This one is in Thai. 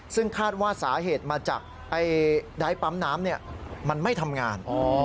ซึ่งคาดว่าสาเหตุมาจากไดท์ปั๊มน้ำมันไม่ทำงาน